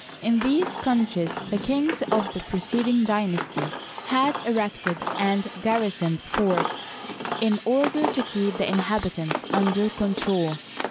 In these countries the kings of the preceding aynasty had erected and garrisoned forts in order to keep the inhabitants under control.